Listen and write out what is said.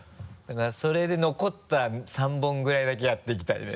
それで残った３本ぐらいだけやっていきたいね。